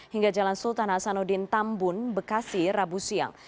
hingga jalan sultan hasanuddin tambun bekasi rabu siang